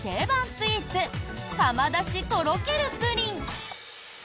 スイーツ窯出しとろけるプリン。